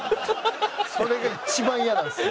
それが一番嫌なんですよ。